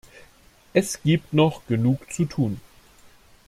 Es gibt noch genug zu tun.